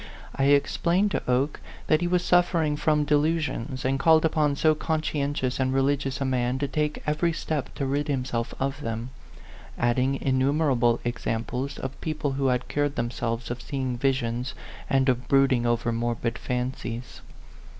I explained to Oke that he was suffering from delusions, and called upon so conscientious and religious a man to take every step to rid himself of them, adding innumerable examples of people who had cured themselves of seeing visions and of brooding over morbid fancies.